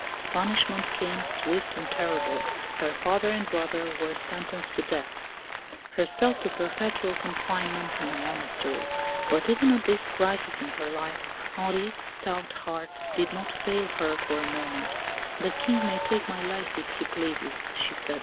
Punishment came, swift and terrible. Her father and brother were sentenced to death, herself to perpetual confinement in a monastery. But even at this crisis in her life, Henriette's stout heart did not fail her for a moment. "The King may take my life, if he pleases," she said.